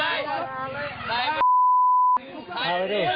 อ้าว